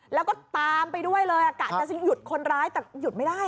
แล้วก็ตามไปด้วยเลยกะจะหยุดคนร้ายแต่หยุดไม่ได้